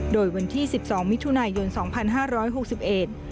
โดยวันที่๑๒มิถุนายนช่วงตี๒๕๖๑น